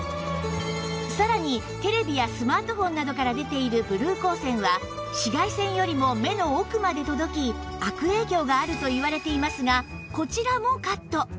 さらにテレビやスマートフォンなどから出ているブルー光線は紫外線よりも目の奥まで届き悪影響があるといわれていますがこちらもカット！